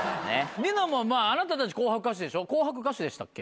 ニノもまぁあなたたち紅白歌手でしょ紅白歌手でしたっけ？